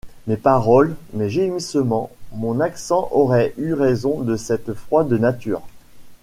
Mes paroles, mes gémissements, mon accent auraient eu raison de cette froide nature.